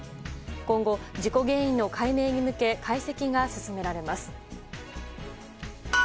今後、事故原因の解明に向け解析が進められます。